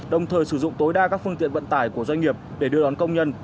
đồng thời sử dụng tối đa các phương tiện vận tải của doanh nghiệp để đưa đón công nhân